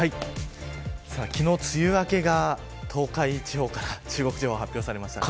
昨日、梅雨明けが東海地方から中国地方に発表されました。